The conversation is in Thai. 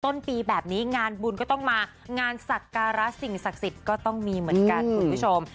ต้นปีแบบนี้งานบุญก็ต้องมางานสักการะสิ่งศักดิ์สิทธิ์ก็ต้องมีเหมือนกันคุณผู้ชม